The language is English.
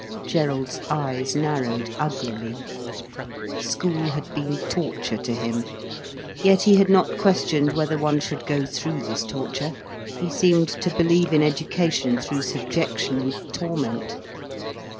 Gerald's eyes narrowed uglily. School had been torture to him. Yet he had not questioned whether one should go through this torture. He seemed to believe in education through subjection and torment.